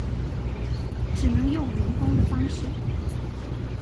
只能用人工的方式